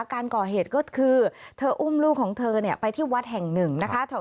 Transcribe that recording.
การก่อเหตุก็คือเธออุ้มลูกของเธอไปที่วัดแห่งหนึ่งนะคะ